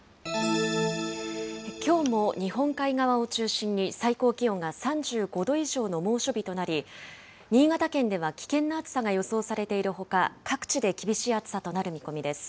きょうも日本海側を中心に最高気温が３５度以上の猛暑日となり、新潟県では危険な暑さが予想されているほか、各地で厳しい暑さとなる見込みです。